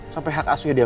sampai hak aslinya dia